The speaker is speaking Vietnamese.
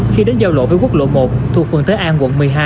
khi đến giao lộ với quốc lộ một thuộc phường thế an quận một mươi hai